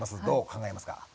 どう考えますか？